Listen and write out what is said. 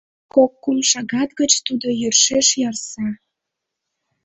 Кок-кум шагат гыч тудо йӧршеш ярса.